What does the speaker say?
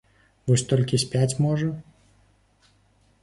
Вось толькі спяць, можа?